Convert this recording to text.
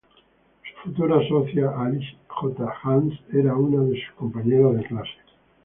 Su futura socia Alice J. Hands era una de su compañeras de clase.